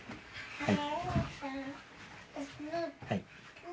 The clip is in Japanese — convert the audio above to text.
はい。